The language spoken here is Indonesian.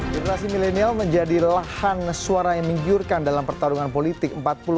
generasi milenial menjadi lahan suara yang menggiurkan dalam pertarungan politik